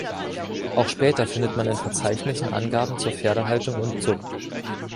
Auch später findet man in Verzeichnissen Angaben zur Pferdehaltung und -zucht.